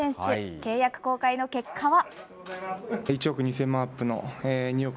契約更改の結果は。